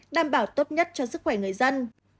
đảm bảo tốt nhất cho sức khỏe người dân